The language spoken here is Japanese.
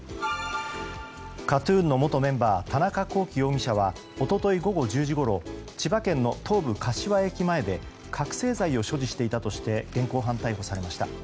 ＫＡＴ‐ＴＵＮの元メンバー、田中聖容疑者は一昨日午後１０時ごろ千葉県の東武・柏駅前で覚醒剤を所持していたとして現行犯逮捕されました。